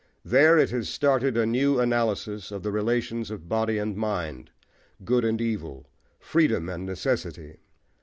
There it has started a new analysis of the relations of body and mind, good and evil, freedom and necessity.